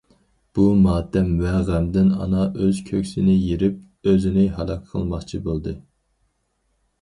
بۇ ماتەم ۋە غەمدىن ئانا ئۆز كۆكسىنى يېرىپ، ئۆزىنى ھالاك قىلماقچى بولدى.